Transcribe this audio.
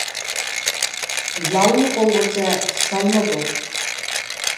لالما بولغۇچە سالما بول.